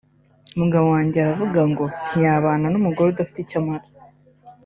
umugabo wanjye aravuga ngo ntiyabana n’umugore udafite icyo amaze